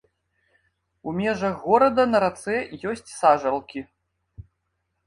У межах горада на рацэ ёсць сажалкі.